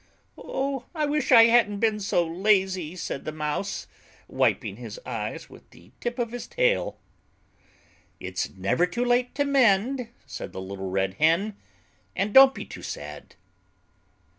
"Oh! I wish I hadn't been so lazy," said the Mouse, wiping his eyes with the tip of his tail. "It's never too late to mend," said the little Red Hen. "And don't be too sad.